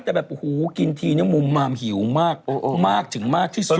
แต่แบบโอ้โหกินทีนี้มุมมามหิวมากถึงมากที่สุด